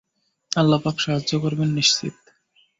আল্লাহ্ পাক সাহায্য করবেন নিশ্চিত।